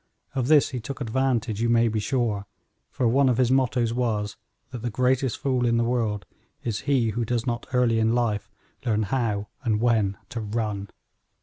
Of this he took advantage, you may be sure, for one of his mottoes was, that the greatest fool in the world is he who does not early in life learn how and when to run.